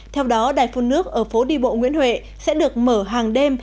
theo đó đài phun nước ở phố đi bộ nguyễn huệ sẽ được mở hàng đêm